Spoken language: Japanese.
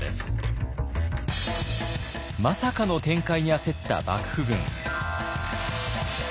まさかの展開に焦った幕府軍。